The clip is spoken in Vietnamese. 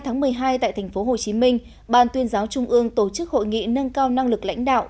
ngày một mươi ba một mươi hai tại tp hcm ban tuyên giáo trung ương tổ chức hội nghị nâng cao năng lực lãnh đạo